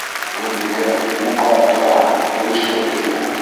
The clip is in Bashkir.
Гөлбикә, нимә ҡарап тораһың, йыйыштыр өйҙө!